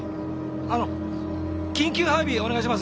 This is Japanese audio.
あの緊急配備お願いします。